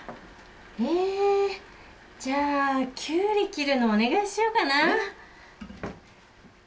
えじゃあキュウリ切るのお願いしようかな。